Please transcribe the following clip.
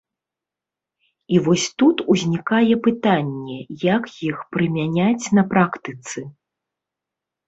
І вось тут узнікае пытанне, як іх прымяняць на практыцы.